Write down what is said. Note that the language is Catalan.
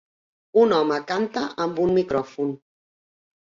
Un home canta amb un micròfon.